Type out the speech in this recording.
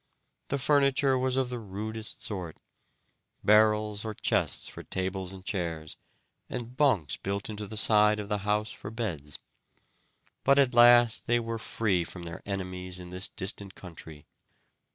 The furniture was of the rudest sort; barrels or chests for tables and chairs, and bunks built into the side of the house for beds. But at last they were free from their enemies in this distant country.